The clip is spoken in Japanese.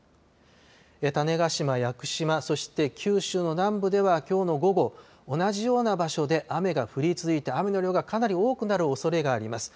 種子島・屋久島、そして九州の南部では、きょうの午後同じような場所で雨が降り続いて雨の量がかなり多くなるおそれがあります。